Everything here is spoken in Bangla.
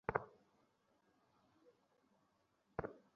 এতক্ষণে কাগজপত্র তার বাড়ি পৌঁছে যাওয়া উচিত।